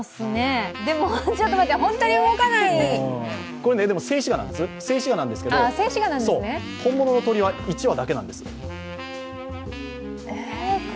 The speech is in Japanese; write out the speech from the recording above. でもちょっと待ってほんとに動かないこれ静止画なんですが、本物の鳥は１羽だけなんです。